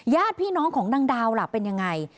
ญาติพี่น้องของนางดาวเป็นอย่างไร